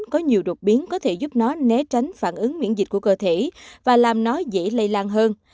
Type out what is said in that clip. có nhiều đột biến có thể giúp nó né tránh phản ứng miễn dịch của cơ thể và làm nó dễ lây lan hơn